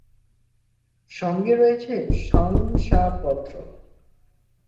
সঙ্গে রয়েছে শংসাপত্র।